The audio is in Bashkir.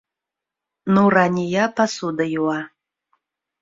Нурания посуда йыуа.